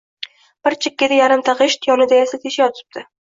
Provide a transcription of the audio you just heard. Bir chekkada yarimta g‘isht, yonida tesha yotibdi.